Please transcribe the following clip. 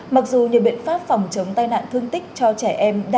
mặc dù nhiều biện pháp phòng chống tai nạn thương tích cho trẻ em